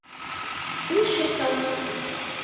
- Ի՞նչ ես ասում…